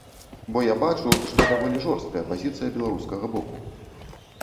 Бо я бачу, што даволі жорсткая пазіцыя беларускага боку.